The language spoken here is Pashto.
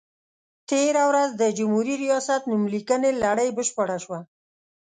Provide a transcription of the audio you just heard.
تېره ورځ د جمهوري ریاست نوم لیکنې لړۍ بشپړه شوه.